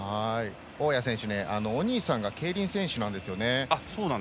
大矢選手お兄さんが競輪選手なんですね。